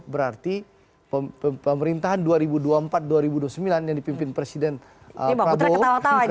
berarti pemerintahan dua ribu dua puluh empat dua ribu dua puluh sembilan yang dipimpin presiden prabowo